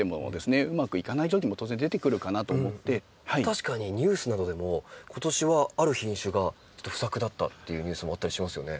確かにニュースなどでも今年はある品種が不作だったっていうニュースもあったりしますよね。